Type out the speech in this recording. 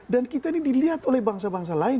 dan kita ini dilihat oleh bangsa bangsa lain